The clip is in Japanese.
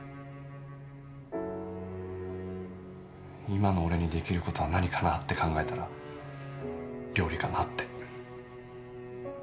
今の俺にできる事は何かなって考えたら料理かなって。